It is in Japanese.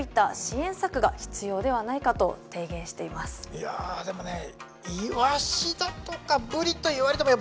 いやでもねイワシだとかブリといわれてもやっぱりね